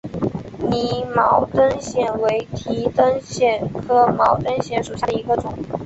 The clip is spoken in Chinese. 拟毛灯藓为提灯藓科毛灯藓属下的一个种。